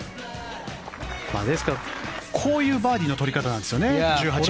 ですから、こういうバーディーの取り方なんですよね、１８番。